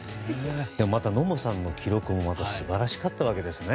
また野茂さんの記録も素晴らしかったわけですね。